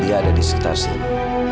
dia ada di sekitar sini